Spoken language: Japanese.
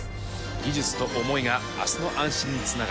技術と思いが明日の安心につながっていく。